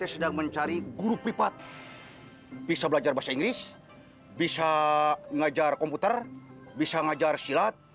saya sedang mencari guru pripat bisa belajar bahasa inggris bisa ngajar komputer bisa ngajar silat